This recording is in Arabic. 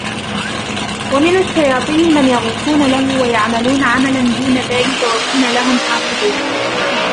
وَمِنَ الشَّيَاطِينِ مَنْ يَغُوصُونَ لَهُ وَيَعْمَلُونَ عَمَلًا دُونَ ذَلِكَ وَكُنَّا لَهُمْ حَافِظِينَ